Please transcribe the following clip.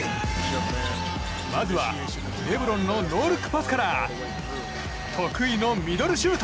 まずはレブロンのノールックパスから得意のミドルシュート！